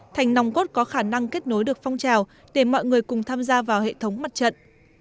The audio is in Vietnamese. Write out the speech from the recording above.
thành nòng cốt có khả năng kết nối được phong trào để mọi người cùng tham gia vào hệ thống mặt trận